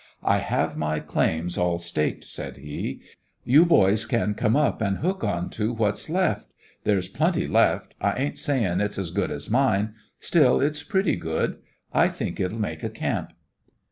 "I have my claims all staked," said he; "you boys can come up and hook onto what's left. There's plenty left. I ain't saying it's as good as mine; still, it's pretty good. I think it'll make a camp."